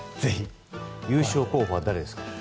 優勝候補は誰ですか？